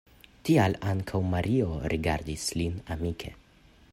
Tial ankaŭ Mario rigardis lin amike.